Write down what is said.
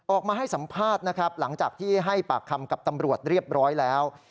ออกมาให้สัมภาษณ์นะครับหลังจากที่ให้ปากคำกับตำรวจเรียบร้อยแล้ว